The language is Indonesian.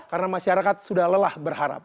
karena masyarakat sudah lelah berharap